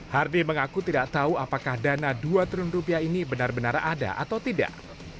hardy mengaku tidak tahu apakah dana dua triliun rupiah ini benar benar ada atau tidak